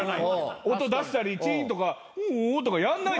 音出したりチーンとか「ん」とかやんない。